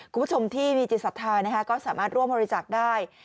คุณผู้ชมที่มีจิตศัตริย์นะคะก็สามารถร่วมบริจักษ์ได้